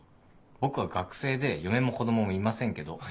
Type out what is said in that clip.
僕は学生で嫁も子供もいませんけど。